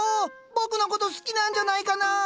僕のこと好きなんじゃないかな？